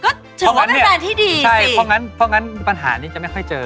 ก็ถือว่ากันเป็นที่ดีสิใช่เพราะงั้นปัญหานี้จะไม่ค่อยเจอ